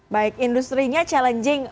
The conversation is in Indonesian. baik industri nya challenging